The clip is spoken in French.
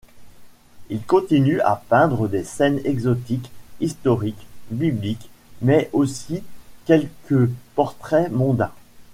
Il continue à peindre des scènes exotiques, historiques, bibliques, mais aussi quelques portraits mondains.